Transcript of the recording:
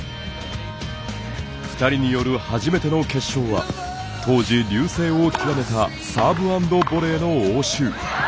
２人による初めての決勝は当時、隆盛を極めたサーブ＆ボレーの応酬。